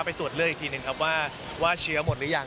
ไปตรวจเลือกอีกทีหนึ่งครับว่าเชื้อหมดหรือยัง